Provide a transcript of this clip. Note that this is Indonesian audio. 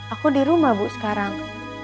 aku di rumah bu sekarang